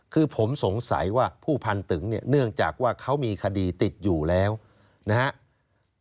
คือผมสงสัยว่าผู้พันตึงเนี่ยเนื่องจากว่าเขามีคดีติดอยู่แล้วนะครับ